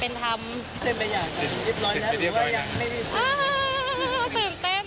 นัดหรือยัง